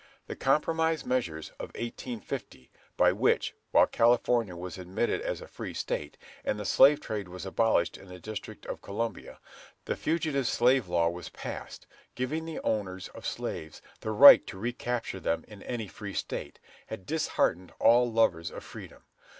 The "Compromise measures of 1850," by which, while California was admitted as a free State, and the slave trade was abolished in the District of Columbia, the Fugitive Slave Law was passed, giving the owners of slaves the right to recapture them in any free State, had disheartened all lovers of freedom.